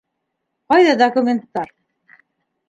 Ҡайҙа документтар?